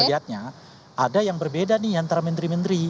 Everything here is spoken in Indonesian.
lihatnya ada yang berbeda nih antara menteri menteri